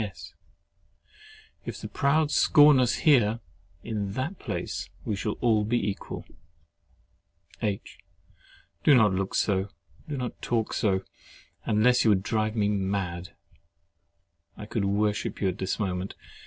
S. If the proud scorn us here, in that place we shall all be equal. H. Do not look so—do not talk so—unless you would drive me mad. I could worship you at this moment.